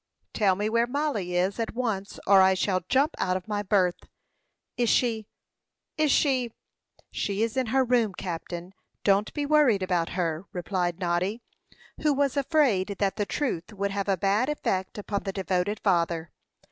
"Tell me where Mollie is at once, or I shall jump out of my berth. Is she is she " "She is in her room, captain. Don't be worried about her," replied Noddy, who was afraid that the truth would have a bad effect upon the devoted father.